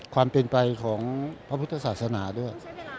ความเป็นไปของพระพุทธศาสนาด้วย